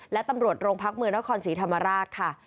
และตำรวจโรงพักเมืองนครศรีธรรมราชค่ะ